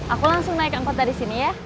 aku langsung naik angkota disini ya